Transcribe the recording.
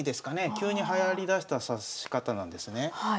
急にはやりだした指し方なんですね。